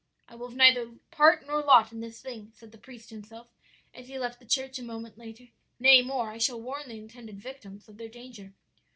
"'I will have neither part nor lot in this thing,' said the priest to himself, as he left the church a moment later; 'nay more, I shall warn the intended victims of their danger.'